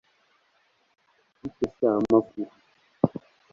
Bite sha amakuru